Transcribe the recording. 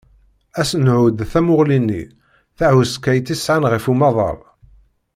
Ad sen-nhudd tamuɣli-nni tahuskayt i sɛan ɣef umaḍal.